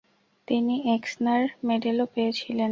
তিনি এক্সনার মেডেলও পেয়েছিলেন।